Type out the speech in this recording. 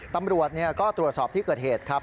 ตำรวจก็ตรวจสอบที่เกิดเหตุครับ